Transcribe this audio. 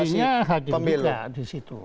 ya di tengah sendirinya hadirnya di situ